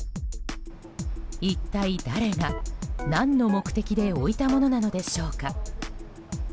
一体、誰が何の目的で置いたものなのでしょうか。